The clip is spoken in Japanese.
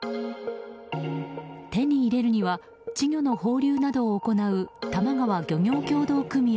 手に入れるには稚魚の放流などを行う多摩川漁業協同組合